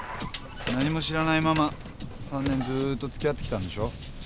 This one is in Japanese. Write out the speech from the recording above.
何も知らないまま３年ずっとつきあってきたんでしょ？